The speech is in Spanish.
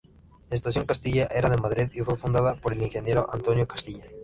Estación Castilla era de Madrid y fue fundada por el ingeniero Antonio Castilla.